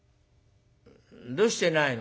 「どうしてないの？」。